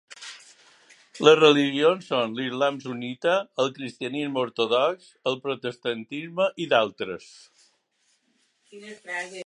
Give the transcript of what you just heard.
Les religions són l'islam sunnita, el cristianisme ortodox, el protestantisme i d'altres.